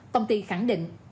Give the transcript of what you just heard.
công ty khẳng định